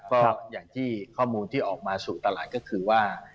ก็อย่างที่ข้อมูลที่ออกมาสู่ตลาดก็คือว่า